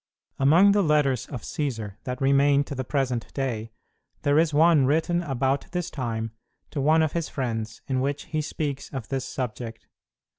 Among the letters of Cćsar that remain to the present day, there is one written about this time to one of his friends, in which he speaks of this subject.